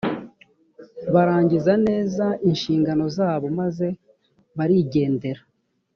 barangiza neza inshingano zabo maze barigendera